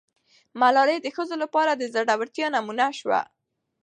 ملالۍ د ښځو لپاره د زړه ورتیا نمونه سوه.